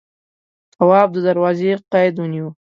تواب د دروازې قید ونيو.